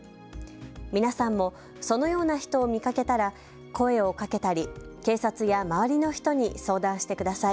皆さんもそのような人を見かけたら声をかけたり、警察や周りの人に相談してください。